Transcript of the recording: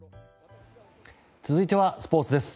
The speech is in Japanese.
続いてはスポーツです。